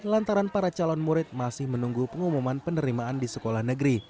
lantaran para calon murid masih menunggu pengumuman penerimaan disekolah